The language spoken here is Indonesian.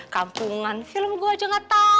kampungan film gue aja gak tau